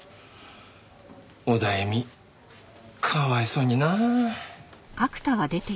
オダエミかわいそうになあ。